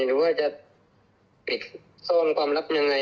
หรือว่าจะปิดซ่อนความลับยังไง